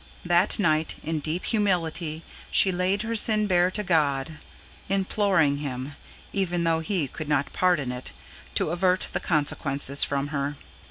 That night in deep humility she laid her sin bare to God, imploring Him, even though He could not pardon it, to avert the consequences from her.